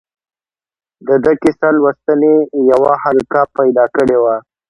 ده د کیسه لوستنې یوه حلقه پیدا کړې وه.